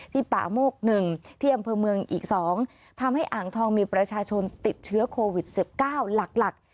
ที่ป่าโมกหนึ่งที่อำเภอเมืองอีกสองทำให้อังทองมีประชาชนติดเชื้อโควิดสิบเก้าหลักหลัก